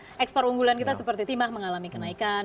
karena ekspor unggulan kita seperti timah mengalami kenaikan